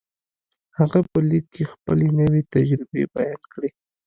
هغه په ليک کې خپلې نوې تجربې بيان کړې.